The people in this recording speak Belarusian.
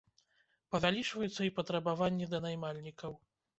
Павялічваюцца і патрабаванні да наймальнікаў.